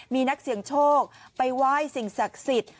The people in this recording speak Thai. มีนักเสี่ยงโชคไปไหว้สิ่งศักดิ์สิทธิ์